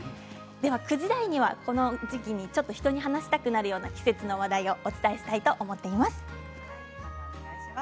９時台にはこの時期にちょっと人に話したくなるような季節の話題をお伝えしようと思います。